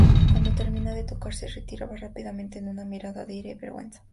Cuando terminaba de tocar, se retiraba rápidamente con una mirada de ira y vergüenza.